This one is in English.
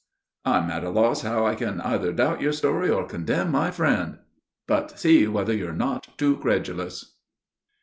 "I'm at a loss how I can either doubt your story or condemn my friend"; "But see whether you're not too credulous."